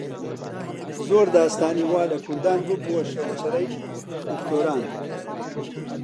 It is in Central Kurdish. زۆر داستانی وا لە کوردان ببووە شەوچەرەی دکتۆران